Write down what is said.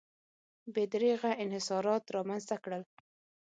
بې دریغه انحصارات رامنځته کړل.